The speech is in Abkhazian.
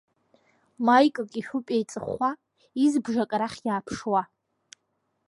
Маикак ишәуп еиҵыхәхәа, избжак арахь иааԥшуа.